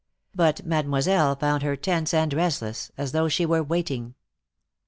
But Mademoiselle found her tense and restless, as though she were waiting.